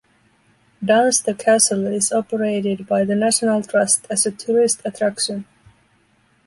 Dunster Castle is operated by the National Trust as a tourist attraction.